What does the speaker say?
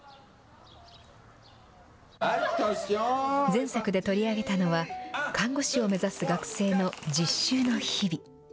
前作で取り上げたのは、看護師を目指す学生の実習の日々。